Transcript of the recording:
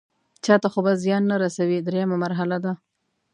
چاته خو به زیان نه رسوي دریمه مرحله ده.